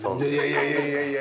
いやいやいやいや。